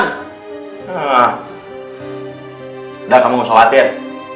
udah kamu gak usah khawatir